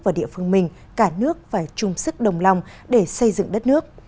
và địa phương mình cả nước phải chung sức đồng lòng để xây dựng đất nước